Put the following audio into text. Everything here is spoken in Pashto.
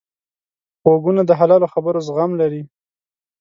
غوږونه د حلالو خبرو زغم لري